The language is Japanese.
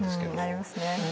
ありますね。